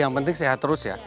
yang penting sehat terus ya